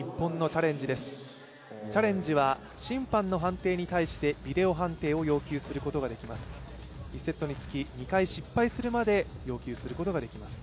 チャレンジは審判の判定に対してビデオ判定を要求することができます。